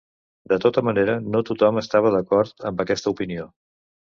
De tota manera, no tothom estava d'acord amb aquesta opinió.